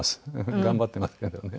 頑張ってますけどね。